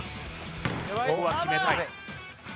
ここは決めたい